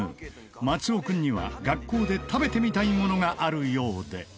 松尾君には学校で食べてみたいものがあるようで